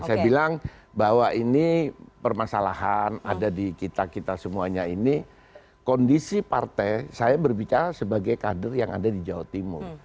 saya bilang bahwa ini permasalahan ada di kita kita semuanya ini kondisi partai saya berbicara sebagai kader yang ada di jawa timur